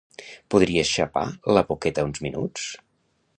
Podries xapar la boqueta uns minuts?